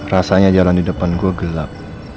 rasanya jalan di depan gue gelap